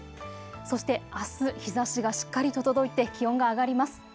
そしてあす、日ざしがしっかりと届いて気温が上がります。